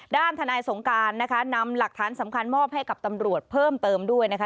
ด้านทนายสงการนะคะนำหลักฐานสำคัญมอบให้กับตำรวจเพิ่มเติมด้วยนะคะ